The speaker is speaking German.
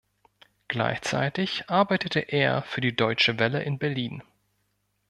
Gleichzeitig arbeitete er für die Deutsche Welle in Berlin.